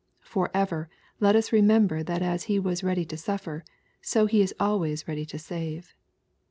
Forever let us remember that as He was ready to suflfer, so He is always ready to save.